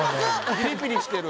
ピリピリしてる。